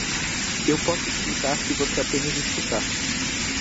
Eu posso explicar se você apenas escutar.